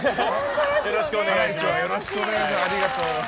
よろしくお願いします。